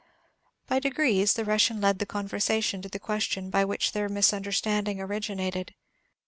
By degrees the Russian led the conversation to the question by which their misunderstanding originated.